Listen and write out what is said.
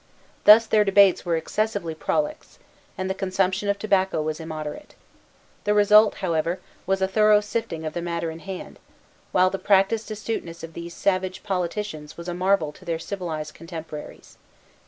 Thus their debates were excessively prolix; and the consumption of tobacco was immoderate. The result, however, was a thorough sifting of the matter in hand; while the practised astuteness of these savage politicians was a marvel to their civilized contemporaries.